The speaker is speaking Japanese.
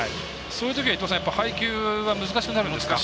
そういうときは配球は難しくなるんですか？